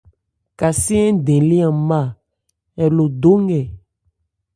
Kasé ń dɛn lê an má ɛ lo dó nkɛ.